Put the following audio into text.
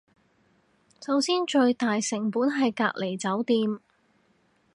首先最大成本係隔離酒店